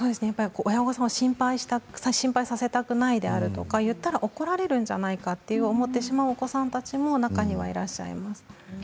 親御さんを心配させたくないということとか言ったら怒られるんじゃないかということを思ってしまうお子さんたちも中にはいらっしゃいます。